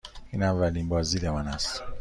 این اولین بازدید من است.